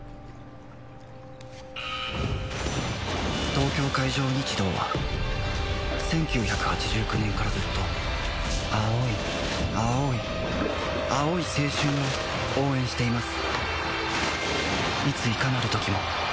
東京海上日動は１９８９年からずっと青い青い青い青春を応援しています